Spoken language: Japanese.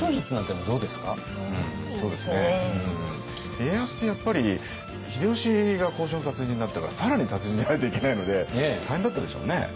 家康ってやっぱり秀吉が交渉の達人だったから更に達人じゃないといけないので大変だったでしょうね。